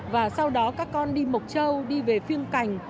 và sau đó các con đi mộc châu đi về phiêng cành